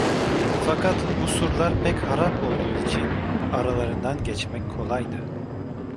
Fakat bu surlar pek harap olduğu için aralarından geçmek kolaydı.